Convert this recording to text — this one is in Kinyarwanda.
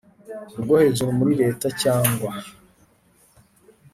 Rwo hejuru muri leta cyangwa